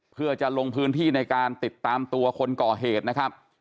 เพื่อจะลงพื้นที่ในการติดตามตัวคนก่อเหตุนะครับ